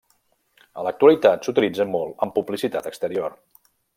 En l'actualitat s'utilitzen molt en publicitat exterior.